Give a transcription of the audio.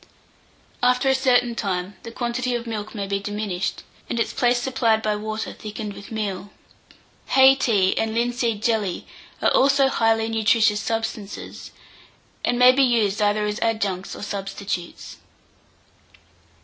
After a certain time, the quantity of milk may be diminished, and its place supplied by water thickened with meal. Hay tea and linseed jelly are also highly nutritious substances, and may be used either as adjuncts or substitutes.